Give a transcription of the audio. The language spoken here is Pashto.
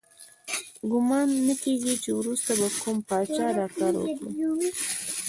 ګمان نه کیږي چې وروسته به کوم پاچا دا کار وکړي.